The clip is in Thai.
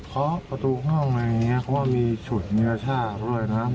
เพราะว่ามีฉุดมิวชาติด้วยนะ